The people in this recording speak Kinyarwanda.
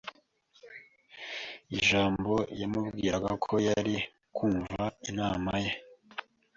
ijambo yamubwiraga ko yari kwumva inama ye